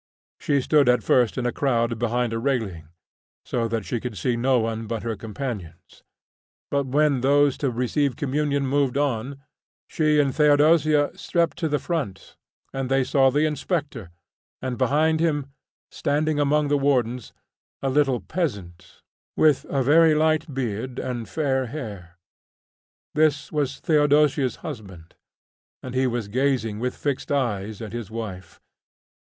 She stood at first in a crowd behind a railing, so that she could see no one but her companions; but when those to receive communion moved on, she and Theodosia stepped to the front, and they saw the inspector, and, behind him, standing among the warders, a little peasant, with a very light beard and fair hair. This was Theodosia's husband, and he was gazing with fixed eyes at his wife.